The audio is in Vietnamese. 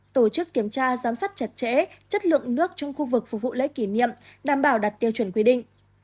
tổ chức kiểm tra giám sát chặt chẽ chất lượng nước trong khu vực phục vụ lễ kỷ niệm đảm bảo đặt tiêu chuẩn quy định